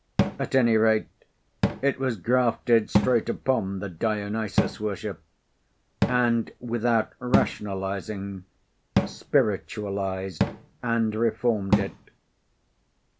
At any rate, it was grafted straight upon the Dionysus worship, and, without rationalising, spiritualised and reformed it.